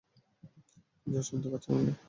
Josh, শুনতে পাচ্ছেন আমাকে?